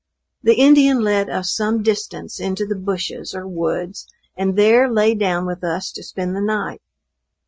The Indian led us some distance into the bushes, or woods, and there lay down with us to spend the night.